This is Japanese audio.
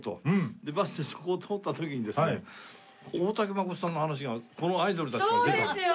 でバスでそこを通った時にですね大竹まことさんの話がこのアイドルたちから出たんですよ。